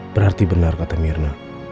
berarti benar kata mirna